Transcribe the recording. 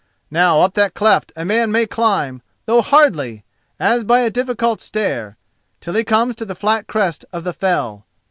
Now up that cleft a man may climb, though hardly, as by a difficult stair, till he comes to the flat crest of the fell.